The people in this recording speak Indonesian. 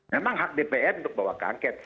memang hak dpr untuk bawa kaget